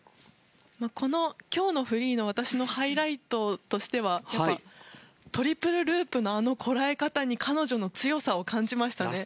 今日のフリーの私のハイライトとしてはトリプルループのこらえ方に彼女の強さを感じましたね。